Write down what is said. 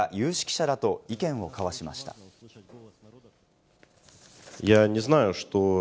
国会議員や有識者らと意見を交わしました。